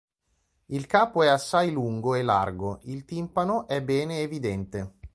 Il capo è assai lungo e largo, il timpano è bene evidente.